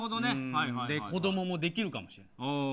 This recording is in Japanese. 子どもも、できるかもしれない。